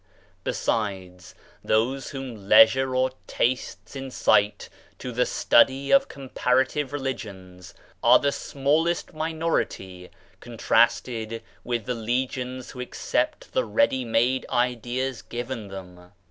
Besides, those whom leisure or tastes incite to the study of comparative religions are the smallest minority con trasted with the legions who accept the ready made ideas given them.